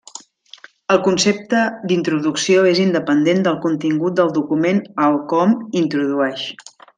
El concepte d'introducció és independent del contingut del document al com introdueix.